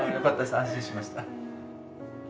安心しました。